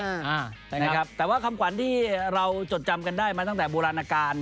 ถ้าว่ามีเรามีความใจขำควันที่เราจดจำกันได้มาตั้งใต้บูรรณากาล